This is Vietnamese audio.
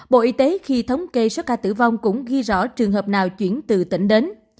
bộ y tế khi thống kê số ca tử vong cũng ghi rõ trường hợp nào chuyển từ tỉnh đến